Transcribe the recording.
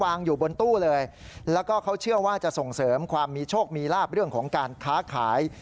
อยู่บนตู้เลยแล้วก็เขาเชื่อว่าจะส่งเสริมความมีโชคมีลาบเรื่องของการค้าขาย